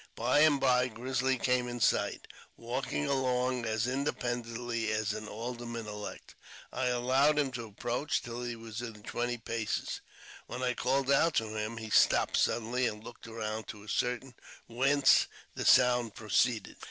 By and by Grizzly came in sight, walking along as independently as an alderman elect. I allowed him to approach till he was within twenty paces, w^hen I called out to him ; he stopped suddenly, and looked around to ascertain whence the sound proceeded.